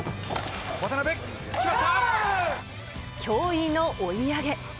驚異の追い上げ。